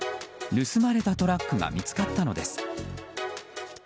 盗まれたトラックが見つかったのです。